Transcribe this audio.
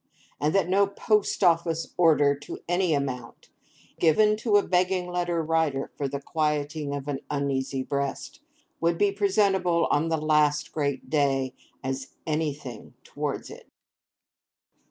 And that no Post Office Order to any amount, given to a Begging Letter Writer for the quieting of an uneasy breast, would be presentable on the Last Great Day as anything towards it.